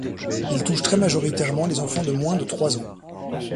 Il touche très majoritairement les enfants de moins de trois ans.